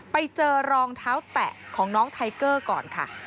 ไปเจอรองเท้าแตะของน้องไทเกอร์ก่อนค่ะ